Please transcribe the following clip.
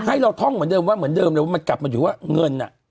ให้เราท่องเหมือนเดิมว่าเหมือนเดิมเลยว่ามันกลับมาถือว่าเงินอ่ะ